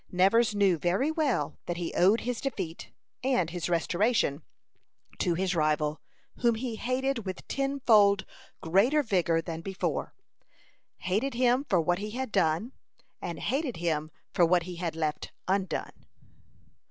Nevers knew very well that he owed his defeat and his restoration to his rival, whom he hated with ten fold greater vigor than before hated him for what he had done, and hated him for what he had left undone.